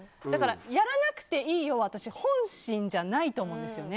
やらなくていいよは私、本心じゃないと思うんです。